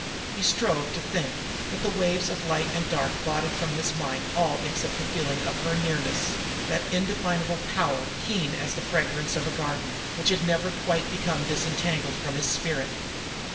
He strove to think, but the waves of light and dark blotted from his mind all except the feeling of her nearness, that indefinable power keen as the fragrance of a garden, which had never quite become disentangled from his spirit.